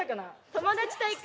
「友達と行く」。